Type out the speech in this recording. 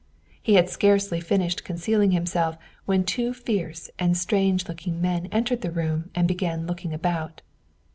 He had scarcely finished concealing himself, when two fierce and strange looking men entered the room and began looking about.